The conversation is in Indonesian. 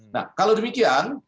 nah kalau demikian